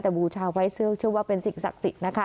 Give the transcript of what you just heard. แต่บูชาไว้เชื่อว่าเป็นสิ่งศักดิ์สิทธิ์นะคะ